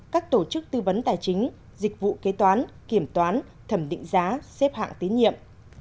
các tổ chức tư vấn tài chính dịch vụ kế toán kiểm toán thẩm định giá xếp hạng tín nhiệm